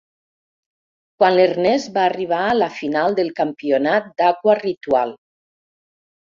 Quan l'Ernest va arribar a la final del campionat d'Aquaritual.